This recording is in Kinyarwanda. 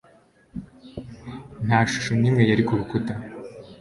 Nta shusho n'imwe yari ku rukuta.